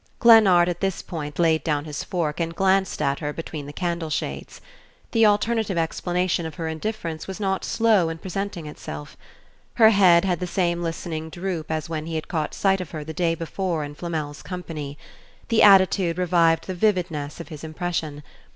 Glennard at this point laid down his fork and glanced at her between the candle shades. The alternative explanation of her indifference was not slow in presenting itself. Her head had the same listening droop as when he had caught sight of her the day before in Flamel's company; the attitude revived the vividness of his impression.